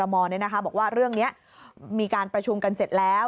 บอกว่าเรื่องนี้มีการประชุมกันเสร็จแล้ว